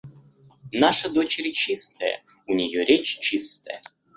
Наша дочь речистая, у нее речь чистая.